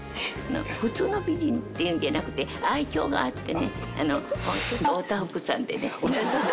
普通の美人っていうんじゃなくて、愛きょうがあってね、おたふくさんでね。